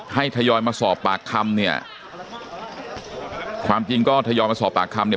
ทยอยมาสอบปากคำเนี่ยความจริงก็ทยอยมาสอบปากคำเนี่ย